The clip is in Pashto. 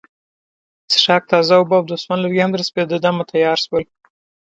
د څښاک تازه اوبه او د سون لرګي هم تر سپیده دمه تیار شول.